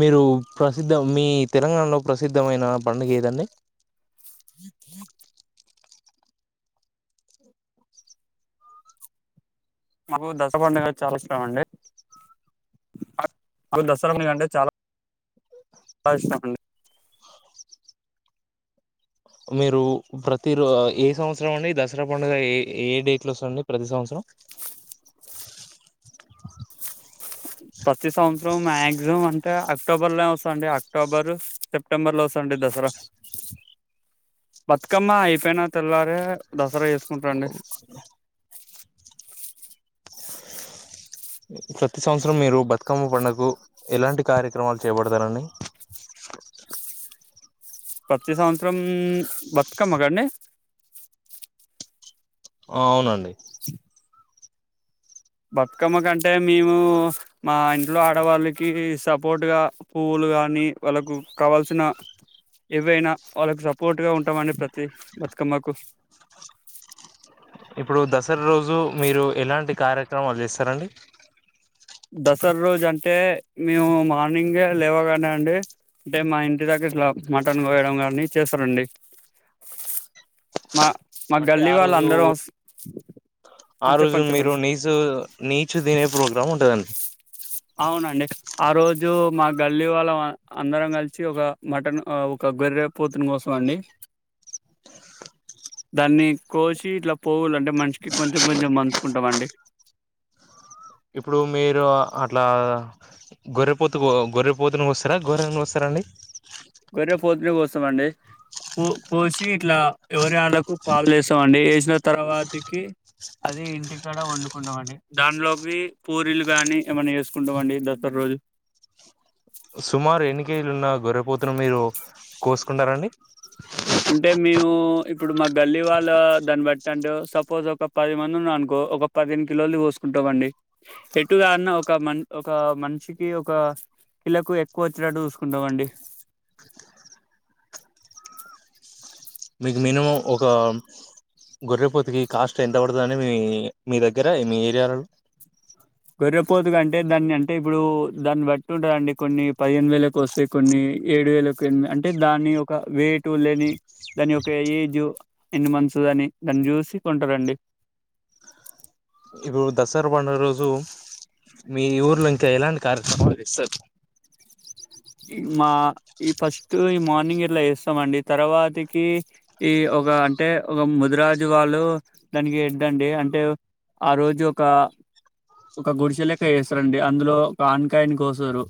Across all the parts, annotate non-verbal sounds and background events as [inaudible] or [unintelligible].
మీరు ప్రసిద్ధ మీ తెలంగాణలో ప్రసిద్ధమైన పండుగ ఏదండి [unintelligible] మాకు దస పండుగ చాలా ఇష్టం అండి మాకు దసరా పండుగ అంటే చాలా ఇష్టం అండి మీరు ప్రతి ర ఏ సంవత్సరం అండి దసరా పండుగ ఏ ఏ డేట్ లో వస్తది ప్రతి సంవత్సరం ప్రతి సంవత్సరం మాక్సిమం అంటే అక్టోబర్ లో వస్తఅండి అక్టోబరు సెప్టెంబర్ లో వస్తుండి దసరా బతుకమ్మ అయిపోయిన తెల్లారే దసరా చెస్ కుంట అండి ప్రతి సంవత్సరం మీరు బతుకమ్మ పడుకు ఎలాంటి కార్యక్రమాలు చేబడతారండి ప్రతి సంవత్సరం బతుకమ్మక అండి ఆహ్ అవునండి [unintelligible] బతుకమ్మ కంటే మేము మా ఇంట్లో ఆడవాళ్ళకి సపోర్ట్గా పువ్వులు కానీ వాళ్ళకు కావాల్సిన ఏవైనా వాళ్ళకి సపోర్ట్ గా ఉంటామండి ప్రతి బతుకమ్మకు ఇప్పుడు దసరా రోజు మీరు ఎలాంటి కార్యక్రమాలు చేస్తారంండి దసరా రోజు అంటే మేము మార్నింగే లేవగానే అండి అంటే మా ఇంటి దగ్గర ఇట్లా మటన్ కోయడం కానీ చేస్తారండి మా మా గల్లీ వాళ్ళ అందరూ [unintelligible] ఆహ్ రోజు చెప్పండి మీరు చెప్పండి నీసు నీచు తినే ప్రోగ్రాం ఉంట అవునండి ఆహ్ రోజు మాక్ గల్లీ వాళ్ళం అందరం కలిసి ఒక మటన్ ఒక గొర్రె పూతును కోసం అండి దాన్ని కోసి ఇట్లా పోవులు అంటే మనిషికి కొంచం కొంచెం మం ఉంటమండి ఇప్పుడు మీరు అట్లా గొర్రెపోతు గొర్రెపోతుని కోస్తారా గొర్రెనీ కోస్తారా అండి గొర్రెపోతు నీ కోస్తామ అండి కో కోసి ఇట్లా ఎవరి వాళ్ళకు పాలు వేస్తామండి వేసిన తర్వాతికి అది ఇంటికాడ వండుకుంటాం అండి దాంట్లోకి పూరీలు గాని ఏమన్నా చేసుకుంటాం అండి దసరా రోజు సుమారు ఎన్నికేజులు ఉన్న గొర్రెపోతును మీరు కోసుకుంటారండి అంటే మేము ఇప్పుడు మా గల్లీ వాళ్ళ దాన్ని బట్టి అంటే సపోజ్ ఒక పది మంది ఉన్నా అనుకో ఒక పదిను కిలోలు కోసుకుంటాండి ఎటుగాదన్న ఒక మ ఒక మనిషికి ఒక కిలకు ఎక్కువ వచ్చినట్టు చూసుకుంటామండి మీకు మినిమం ఒక గొర్రెపోతికి కాస్ట్ ఎంత పడుతుందని మీ మీ దగ్గర మీ ఏరియాలలో గొర్రపోతు అంటే దాన్ని అంటే ఇప్పుడు దాన్ని బట్టి ఉంటాదేన్ డి కొన్ని పదిహేను వేలకు వస్తే కొన్ని ఏడు వేలకు ఎ అంటే దాన్ని ఒక వయిటు లేని దాని య ఒక ఏజ్ ఎన్ని మంత్స్ ఆన్ని దాన్ని చూసి కొంటారండి ఇప్పుడు దసరా పండుగా రోజు మీ ఊర్లో ఇంకా ఎలాంటి కార్యక్రమాలు చేస్తారు మా ఈ ఫస్ట్ ఈ మార్నింగ్ ఇట్లా చేస్తాం అండి తర్వాతికి ఈ ఒక అంటే ఒక ముదురాజు వాళ్ళు దానికి ఇద్దండి అంటే ఆహ్ రోజు ఒక ఒక గుడిసెలెక్క వేస్తారండి అందులో ఒక ఆన్కాయని కోస్తారు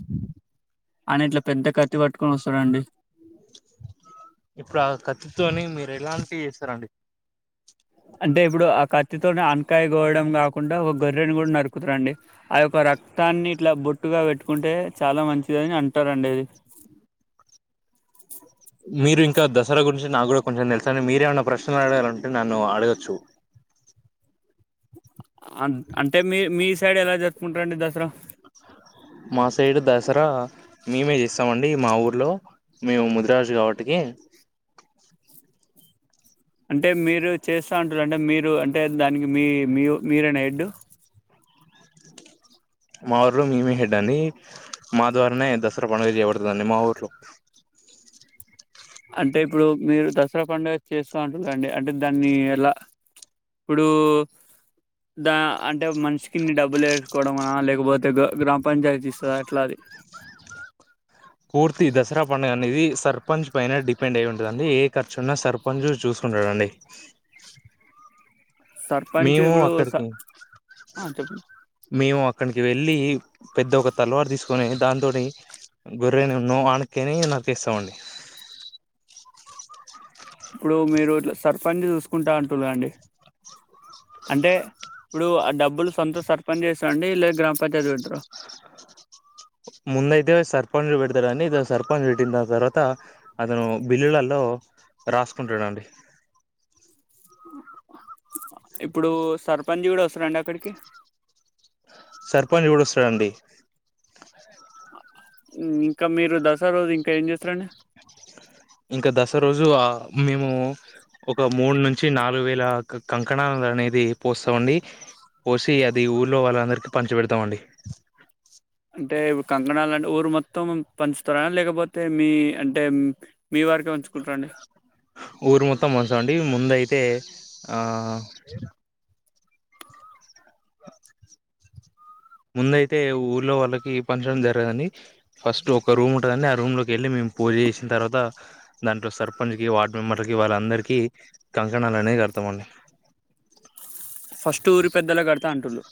అయినా ఇట్లా పెద్ద కత్తి పట్టుకొని వస్తాడండి ఇప్పుడు ఆహ్ కత్తి తోని మీరు ఎలాంటివి చేస్తారండి అంటే ఇప్పుడు ఆహ్ కత్తితోనే ఆన్ కాయ గోవడం కాకుండా ఒ గొర్రెని కూడా నరుక్ కు తరండి ఆ యొక్క రక్తాన్ని ఇట్లా బొట్టుగా పెట్టుకుంటే చాలా మంచిది అని అంటారండి అది మీరు ఇంకా దసరా గురించి నాకు కూడా కొంచెం తెలుసండి మీరేమైనా ప్రశ్నలు అడగాలంటే నన్ను అడగొచ్చు అ అంటే మీ మీ స్ సైడ్ ఎలా జరుపుకుంటరండి దసరా మా సైడ్ దసరా మేమే చేస్తామండి మా ఊర్లో మేము ముదురాజు కాబట్టికి అంటే మీరు చేస్తా ఉంటారు అంటే మీరు అంటే దానికి మీ మీ మీరనా హెడ్డు మా ఊర్లో మేమే హెడ్ అండి మా ద్వారానే దసరా పండుగ చేయబడుతుందండి మా ఊర్లో అంటే ఇప్పుడు మీరు దసరా పండుగ చేస్త ఉంటారండి అంటే దాన్ని ఎలా ఇప్పుడు దా అంటే మనిషికిిన్ని డబ్బులు వేసుకోవడమా లేకపోతే గ్రామ పంచాయతీ ఇస్తదా ఎట్లా అది పూర్తి దసరా పండుగ అనేది సర్పంచ్ పైన డిపెండ్ అయి ఉంటందిండి ఏ ఖర్చు ఉన్నా సర్పంచ్ చూసుకుంటాడండి సర్పంచ్ మేము ఇప్పుడు అక్కడికి స- ఆ, చెప్పండి మేము అక్కనికి ఇ వెళ్ళి పెద్ద ఒక తలవారు తీసుకొని దానితోటి గొర్రెని ఉన్నో ఆనకని నకేస్తమండి ఇప్పుడు మీరు ఇట్లా సర్పంచ్ చూసుకుంటా అంటుర్రు అండి అంటే ఇప్పుడు ఆ డబ్బులు సొంత సర్పంచ్ ఇస్తారాండి లేదా గ్రామ పంచాయతీ పెడతారు ముందయితే సర్పంచ్ పెడతాడండి త సర్పంచ్ పెట్టిన తర్వాత అతను బిల్లులల్లో రాసుకుంటాడండి ఇప్పుడు సర్పంచ్ కూడా వస్తరండి అక్కడికి సర్పంచ్ కూడా వస్తడండి మ్ ఇంకా మీరు దసర రోజు ఇంకా ఏం చేస్తరండి ఇంకా దసరోజు మేము ఒక మూడు నుంచి నాలుగు వేల కంకణాల అనేది పోస్తమండి పోసి అది ఊర్లో వాళ్ళందరికి పంచి పెడతాం అండి అంటే కంకణాల అంటే ఊరు మొత్తం పంచుతార లేకపోతే మీ అంటే మీ వారికే ఉంచుకుంటరండి ఊరు మొత్తం పంచం అండి ముందయితే ఆ అ ముందయితే ఊర్లో వాళ్ళకి పంచడం జరగదండి ఫస్ట్ ఒక రూమ్ ఉంటదండి ఆ రూమ్ లోకి వెళ్ళి మేము పూజ చేసిన తర్వాత దాంట్లో సర్పంచ్ కి వార్డ్ మెంబర్లకి వాళ్ళందరికీ కంకణాలు అనేవి కడ్తంఅండి ఫస్ట్ ఊరి పెద్దలకడత అంటుల్లు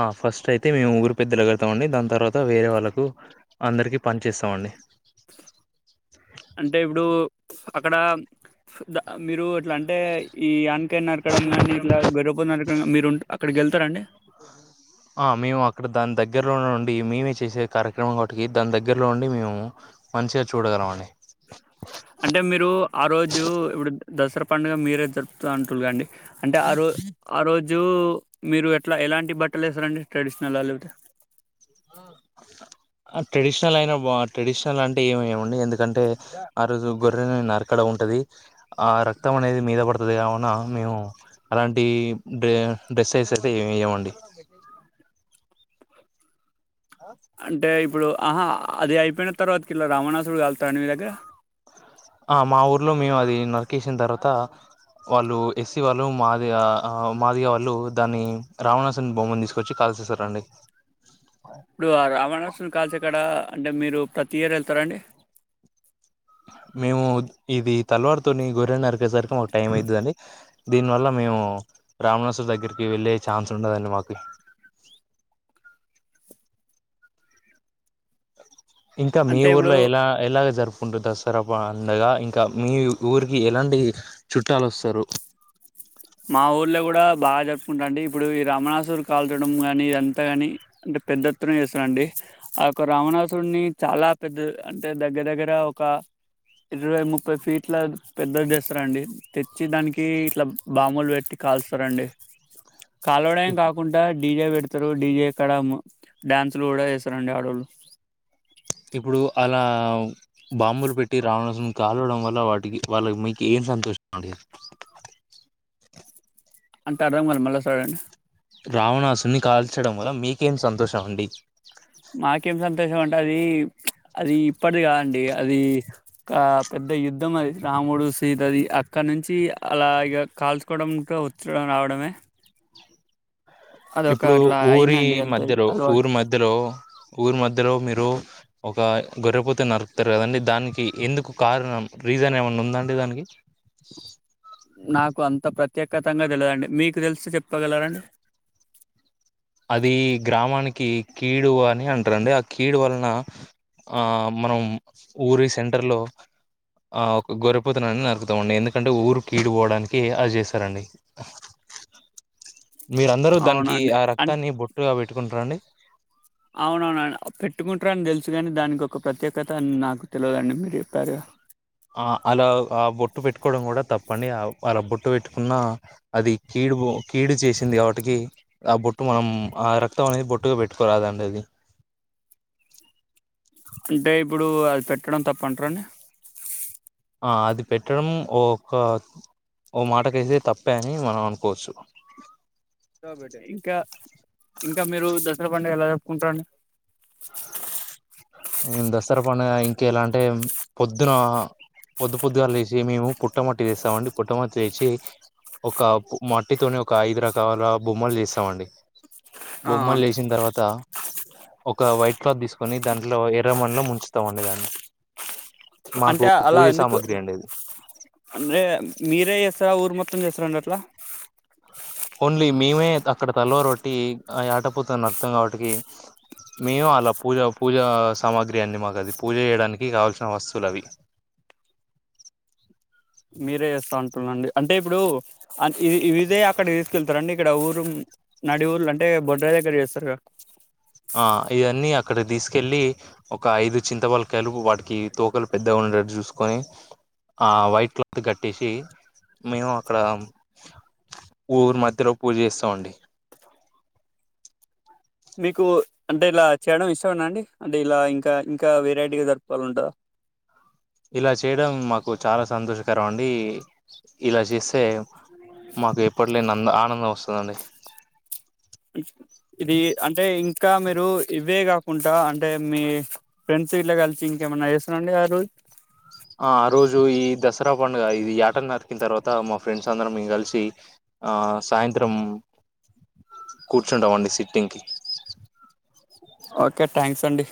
ఆ ఫస్ట్ అయితే మేము ఊరు పెద్దలకడతాం అండి దాని తర్వాత వేరే వాళ్ళకు అందరికీ పనిచిస్తామండి అంటే ఇప్పుడు అక్కడ ద మీరు ఎట్లా అంటే ఈ అ నరకడంగాని ఇట్లా గరుపుత్ నర్ మ్ మీరుంట అక్కడికి వెళ్తరండి ఆ మేము అక్కడ దాని దగ్గరలోనుండి మేమే చేసే కార్యక్రమం కాబట్టి దాని దగ్గరలో ఉండి మేము మంచిగా చూడగలం అండి అంటే మీరు ఆ రోజు ఇప్పుడు దసరా పండుగ మీరే జరుపుత అంటుర్రు కాండి అంటే ఆ రో ఆ రోజు మీరు ఎట్లా ఎలాంటి బట్టలు వేస్తారండి ట్రెడిషనల్ లేకపోతే ట్రెడిషనల్ అయిన బా ట్రెడిషనల్ అంటే ఏమిమండి ఎందుకంటే ఆ రోజు గొర్రెని నరకడం ఉంటుంది ఆ రక్తం అనేది మీద పడుతది కావున మేము అలాంటి డ డ్రెసస్ అయితే ఏమేయమండి అంటే ఇప్ ఇప్పుడు ఆహా అది అయిపోయిన తర్వాతకి ఇలా రామణాసురున్ని కాళ్తారండీ మీ దగ్గర ఆ మా ఊర్లో మేము అది నరికేసిన తర్వాత వాళ్ళు ఎస్సీ వాళ్ళు మాదిగ మాదిగ వాళ్ళు దాన్ని రావణాసుని బొమ్మను తీసుకొచ్చి కాల్ చేస్తారండి ఇప్పుడు రవాణాసున్ని కాల్చేకాడ అంటే మీరు ప్రతి ఇయర్ వెళ్తారా అండి మేము ఇది తలవారుతోని గొర్రె నరికేసరికి మాకు టైం అవుతుందండి దీనివల్ల మేము రామాణసుని దగ్గరికి వెళ్ళే ఛాన్స్ ఉండదండి మాకు ఇంకా మీ అంటే ఇప్పుడు ఊర్లో ఎలా ఎలాగ జరుపు కుంటూ దసరా పండగా ఇంకా మీ ఊరికి ఎలాంటి చుట్టాలు వస్తారు మా ఊర్లో కూడా బాగా జరుపుకుంటరండి ఇప్పుడు ఈ రామణాసురు కాల్చడం కానీ ఇదంతా కాని అంటే పెద్ద ఎత్తున చేస్తారండి యొక్క రామణాసురుని చాలా పెద్ద అంటే దగ్గర దగ్గర ఒక ఇరవై ముప్పై ఫీట్ల పెద్దది చేస్తారండి తెచ్చి దానికి ఇట్ల బాంబులు పెట్టి కాలుస్తారండి కాలవడం కాకుండా డీజే పెడుత్ తురు డీజే కాడా మ్ డ్యాన్సు లు కూడా చేస్సరండి ఆడోళ్ళు ఇప్పుడు అలా బాంబులు పెట్టి రావాణసం కాలవడం వల్ల వాటికి వాళ్ళ మీకు ఏం సంతోషం అండి. అంత అర్ధం గాల మళ్ళ సారి అను రావణాసుని కాల్చడం వల్ల మీకేం సంతోషం అండి తోషం అంటే అది ప్చ్ అది ఇప్పటిది కాదండి, అది ఒక పెద్ద యుద్ధం అది రాముడు సీతది అక్కనుంచి అలా ఇగ కాల్చుకోవడం ఇంక వచ్చుడు రావడమే, అదొక ఇప్పుడు అట్లా ఊరి అయిందండి అంతే మధ్యలో అలవాటు ఊరు మధ్యలో ఊరి మధ్ మధ్యలో మీరు ఒక గొర్రెపోతే నరుకుతారు కదండి దానికి ఎందుకు కారణం రీజన్ ఏమైనా ఉందాండి దానికి నాకు అంత ప్రత్యేకతంగా తెలియదండి మీకు తెలిసి చెప్పగలరండి అది గ్రామానికి కీడు అని అంటారండి, ఆ కీడు వలన ఆ మనం ఊరి సెంటర్ లో ఆ ఒక గొర్రిపోతునని నరుకుతారండి ఎందుకంటే ఊరు కీడు పోవడానికి అది చేస్తారండి. మీరు అందరూ దానికి అవునండి ఆ ర అంటే ని బొట్టుగా పెట్టుకుంటారండి అవును అవును పెట్టుకుంటారని తెలుసు కాని దానికి ఒక ప్రత్యేకత అని నాకు తెలువదండి మీరు చెప్పారు. ఆ అలా ఆ బొట్టు పెట్టుకోవడం కూడా తప్పని ఆ అలా బొట్టు పెట్టుకున్న అది కీడు కీడు చేసింది, కావట్టికి ఆ బొట్టు మనం ఆ రక్తం అనేది బొట్టుగా పెట్టుకోరాదండి అది అంటే ఇప్పుడు అది పెట్టడం తప్పంటార అండి ఆ అది పెట్టడం ఓక్క ఓ మాటకైతే తప్పే అని మనం అనుకోవచ్చు ఇంకా ఇంకా మీరు దసరా పండుగ ఎలా జరపుకుంటారండి మేం దస్సర పండుగ ఇంకెలా అంటే పొద్దున పొద్దు పొద్దుగాల్ లేసి మేము పుట్టమట్టి చేస్సామండి, పుట్ట మట్టి తెని ఒక మట్టితోని ఒక ఐదు రకాల బొమ్మలు చేస్సామండి. ఆ బొమ్మల్ చేసిన తరువాత ఒక వైట్ క్లాత్ తీసుకొని దాని లో ఎర్రమన్నిలో ముంచుతామండి దాన్ని మాకు అంటే అలా పూజ ఎందుకు సామాగ్రి అండి అది అంటే మీరే తా ఊరు మొత్తం చేస్తారండి అట్లా ఓన్లీ మేమే అక్కడ తలవరొట్టి ఆటపోతున్న అర్థం కాబట్టి, మేము అలా పూజ పూజ సామాగ్రి అడి మాకు అది పూజ చేయడానికి కావాల్సిన వస్తువులు అవి, మీరే చేస్తా అంటున్నాండి అంటే ఇప్పుడు ఇదే అక్కడకి తీసుకెళ్తారండి ఇక్కడ ఊరు నడి ఊర్లు అంటే బొడ్రాయి దగ్గర జేస్తరుగా, ఆ ఇదన్నీ అక్కడ తీసుకెళ్ళి ఒక ఐదు చింతపలకాయలుపు వాటికి తోకలు పెద్దగా ఉండేట్టు చూసుకొని ఆ వైట్ క్లాత్ కట్టేసి మేము అక్కడ ఊరు మధ్యలో పూజ చేస్తాం అండి, మీకు అంటే ఇలా చేయడం ఇష్టమేనా అండి అంటే ఇలా ఇంకా ఇంకా వెరైటీగా జరిపాల అంటారా. ఇలా చేయడం మాకు చాలా సంతోషకరం అండి ఇలా చేస్ తే మాకు ఎప్పట్ లేని అ ఆనందం వస్ చుండి ఇది అంటే ఇంకా మీరు ఇవే కాకుండా అంటే మీ ఫ్రెండ్స్ ఇట్లా కలిసి ఇంకేమన్నా చేస్తున్నాండి ఆ రోజ్ తర పండుగ ఇది ఏట నతికిన తర్వాత మా ఫ్రెండ్స్ అందరం మేము కలిసి సాయంత్రం కూర్చుంటం అండి సిట్టింగ్ కి ఓకే థ్యాంక్స్ అండి